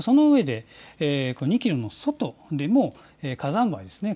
その上で、２キロの外でも火山灰ですね